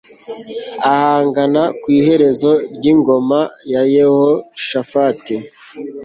Ahagana ku iherezo ryingoma ya Yehoshafati